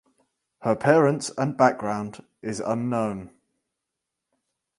Her parents and background is unknown.